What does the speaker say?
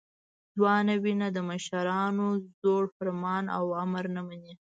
ځوانه وینه د مشرانو زوړ فرمان او امر نه مني.